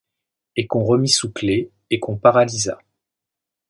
Et qu'on remît sous clefs et qu'on paralysât